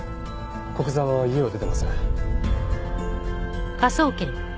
古久沢は家を出てません。